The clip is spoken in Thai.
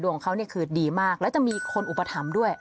ดวงของเขาคือดีมากแล้วจะมีคนอุปถัมธ์ด้วย